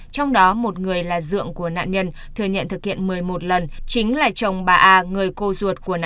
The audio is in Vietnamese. trong đó một người là ruộng của nạn nhân thừa nhận thực hiện một mươi một lần chính là chồng bà a người cô ruột của nạn nhân